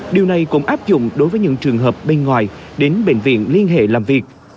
điều này cũng áp dụng đối với những trường hợp bên ngoài đến bệnh viện liên hệ làm việc